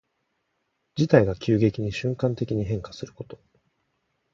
事態が急激に瞬間的に変化すること。